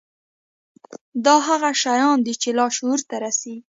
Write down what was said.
دا هغه شيان دي چې لاشعور ته رسېږي.